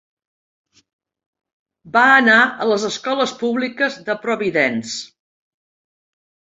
Va anar a les escoles públiques de Providence.